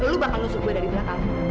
lu bakal nusuk gue dari belakang